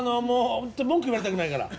本当に文句言われたくないから。